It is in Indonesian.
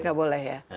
tidak boleh ya